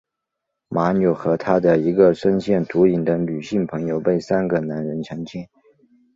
马纽和她的一个深陷毒瘾的女性朋友被三个男人强奸。